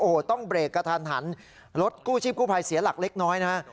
โอ้โหต้องเบรกกระทันหันรถกู้ชีพกู้ภัยเสียหลักเล็กน้อยนะฮะ